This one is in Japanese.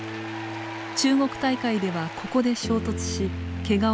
中国大会ではここで衝突しけがを負っています。